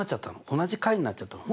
同じ解になっちゃったの。